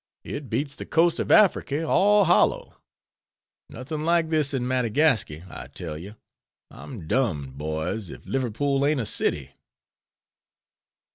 It beats the coast of Afriky, all hollow; nothing like this in Madagasky, I tell you;—I'm dummed, boys if Liverpool ain't a city!"